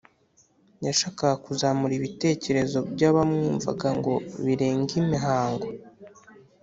Yashakaga kuzamura ibitekerezo by’abamwumvaga ngo birenge imihango